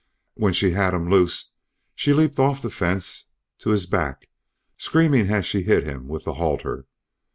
When she had him loose she leaped off the fence to his back, screaming as she hit him with the halter.